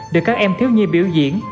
được các em thiếu nhi biểu diễn